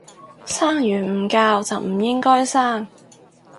生完唔教就唔應該生